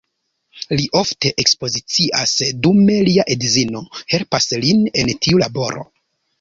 Li ofte ekspozicias, dume lia edzino helpas lin en tiu laboro.